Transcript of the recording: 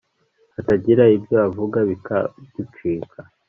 hatagira ibyo avuga bikagucika